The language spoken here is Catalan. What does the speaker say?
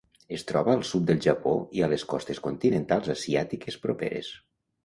Es troba al sud del Japó i a les costes continentals asiàtiques properes.